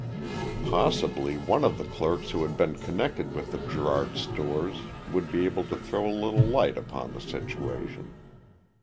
Possibly one of the clerks who had been connected with the Gerard stores would be able to throw a little light upon the situation....